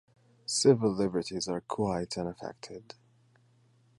Civil liberties are quite unaffected.